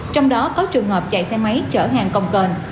trong đó có trường hợp chạy xe máy chở hàng công cờn